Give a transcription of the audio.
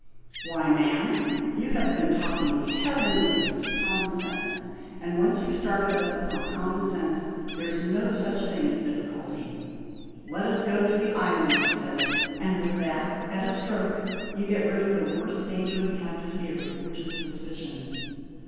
"Why, ma'am, you have been talking heavenliest common sense, and once you've started us upon common sense there's no such thing as a difficulty. 'Let us go to the island,' you said; and with that at a stroke you get rid of the worst danger we have to fear, which is suspicion.